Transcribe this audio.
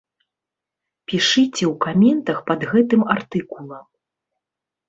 Пішыце ў каментах пад гэтым артыкулам.